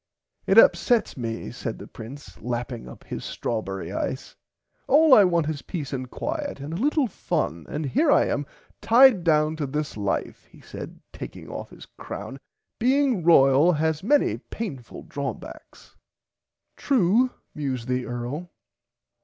It upsets me said the prince lapping up his strawberry ice all I want is peace and quiut and a little fun and here I am tied down to this life he said taking off his crown being royal has many painfull drawbacks. True mused the Earl.